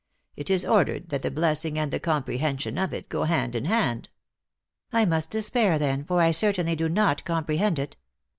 It is ordered that the O blessing, and the comprehension of it, go hand in hand." " I must despair then, for I certainly do not com prehend it.